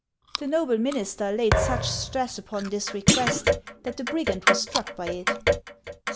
The noble minister laid such stress upon this request that the brigand was struck by it.